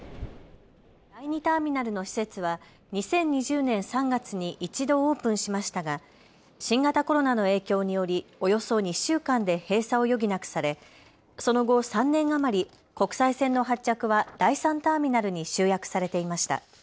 第２ターミナルの施設は２０２０年３月に一度オープンしましたが新型コロナの影響によりおよそ２週間で閉鎖を余儀なくされその後、３年余り、国際線の発着は第３ターミナルに集約されていました。